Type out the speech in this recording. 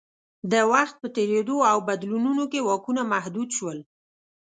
د وخت په تېرېدو او بدلونونو کې واکونه محدود شول